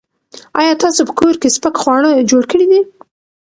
ایا تاسو په کور کې سپک خواړه جوړ کړي دي؟